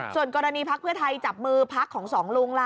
ส่วนกรณีพักเพื่อไทยจับมือพักของสองลุงล่ะ